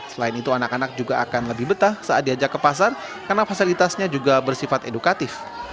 selain itu anak anak juga akan lebih betah saat diajak ke pasar karena fasilitasnya juga bersifat edukatif